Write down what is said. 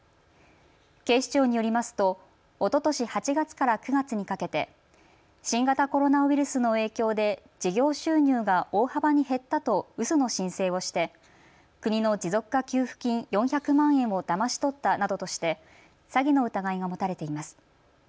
警視庁によりますとおととし８月から９月にかけて新型コロナウイルスの影響で事業収入が大幅に減ったとうその申請をして国の持続化給付金４００万円をだまし取ったなどとして詐欺の疑いが持たれています。